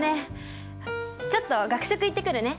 ちょっと学食行ってくるね。